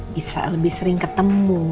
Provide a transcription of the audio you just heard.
bisa lebih sering ketemu